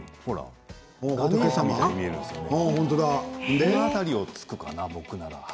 その辺りをつくかな、僕なら。